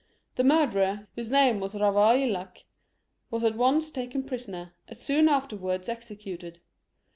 The murderer, whose name was Ravaillac, was at once taken prisoner, and soon afterwards executed.